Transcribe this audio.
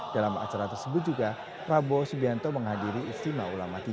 dalam acara tersebut juga prabowo subianto menghadiri istimewa ulama tiga